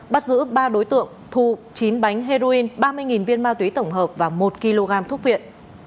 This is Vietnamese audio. bắt giữ ba đối tượng thu chín bánh heroin ba mươi viên ma túy tổng hợp và một kg thuốc viện